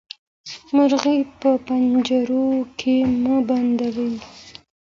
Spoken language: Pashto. مرغۍ په پنجرو کې مه بندوئ.